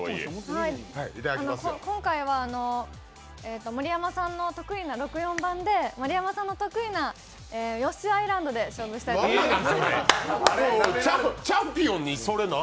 今回は盛山さんの得意な６４番で、盛山さんの得意なヨッシーアイランドで勝負したいと思います。